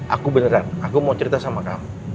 aku beneran aku mau cerita sama kamu